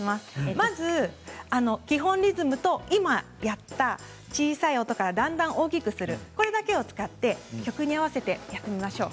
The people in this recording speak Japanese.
まず基本リズムと今やった小さい音からだんだん大きくするそれだけを使って曲に合わせてやってみましょう。